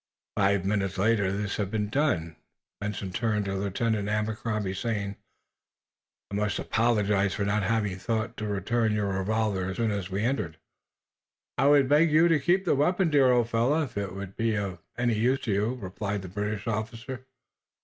Five minutes later this had been done. Benson turned to Lieutenant Abercrombie, saying: "I must apologize for not having thought to return your revolver as soon as we entered." "I would beg you to keep the weapon, dear old fellow, if it would be of any use to you," replied the British officer.